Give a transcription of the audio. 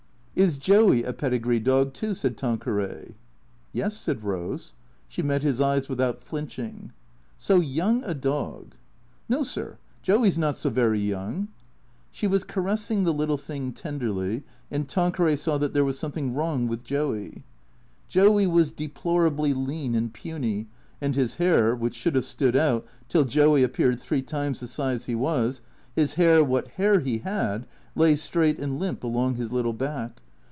" Is Joey a pedigree dog, too ?" said Tanqueray. " Yes," said Rose. She met his eyes without flinching. " So young a dog "" No, sir, Joey 's not so very young." She was caressing the little thing tenderly, and Tanqueray saw that there was something wrong with Joey. Joey was deplorably lean and puny, and his hair, which should have stood out till Joey appeared three times the size he was, his hair, what hair he had, lay straight and limp along his little back.